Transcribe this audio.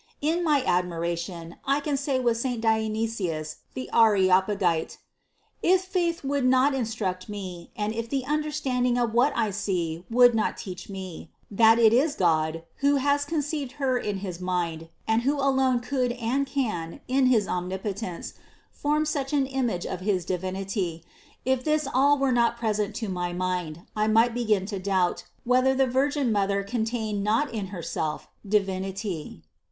In my admiration I can say with St.Dionysius the Areop agite: "If faith would not instruct me, and if the un derstanding of what I see would not teach me, that it is God, who has conceived Her in his mind, and who alone could and can in his Omnipotence form such an image of his Divinity, if this all were not present to my mind, I might begin to doubt, whether the Virgin Mother con tain not in Herself Divinity."